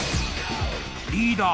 リーダー